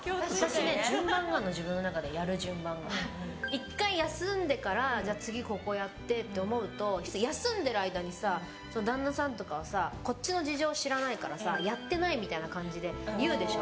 １回休んでから次ここやってって思うと休んでる間に旦那さんはこっちの事情を知らないからやってないみたいな感じで言うでしょ。